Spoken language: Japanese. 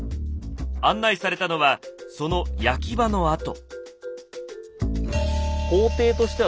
案内されたのはその焼場の跡。